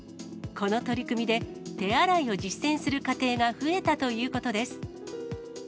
この取り組みで、手洗いを実践する家庭が増えたということです。